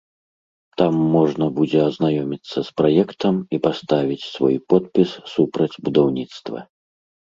Там можна будзе азнаёміцца з праектам і паставіць свой подпіс супраць будаўніцтва.